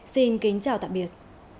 xin chào tạm biệt